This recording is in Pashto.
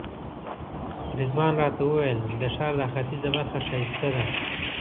رضوان راته وویل د ښار دا ختیځه برخه ښایسته ده.